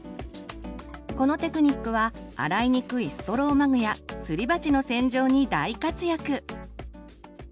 このテクニックは洗いにくいストローマグやすり鉢の洗浄に大活躍！